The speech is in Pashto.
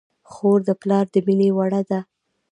خور د پلار د مینې وړ ده.